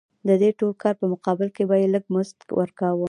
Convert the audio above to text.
د دې ټول کار په مقابل کې به یې لږ مزد ورکاوه